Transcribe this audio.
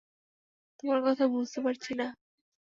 তোমার কথা বুঝতে পারছি না।